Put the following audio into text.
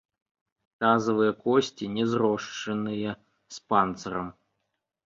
Тазавыя косці не зрошчаныя з панцырам.